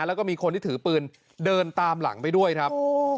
แล้วก็มีคนที่ถือปืนเดินตามหลังไปด้วยครับ